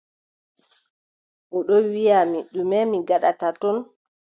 O ɗo wiʼa mi, ɗume mi ngaɗata ton.